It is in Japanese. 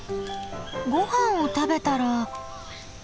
ごはんを食べたら。